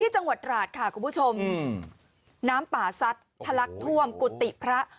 จังหวัดราชค่ะคุณผู้ชมน้ำป่าซัดทะลักท่วมกุฏิพระ